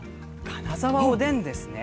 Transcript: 金沢おでんですね。